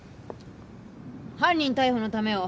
犯人逮捕のためよ。